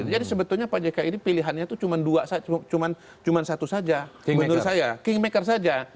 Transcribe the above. jadi sebetulnya pak jk ini pilihannya cuma satu saja menurut saya kingmaker saja